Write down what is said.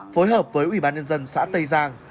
phối hợp với ủy ban nhân dân xã tây giang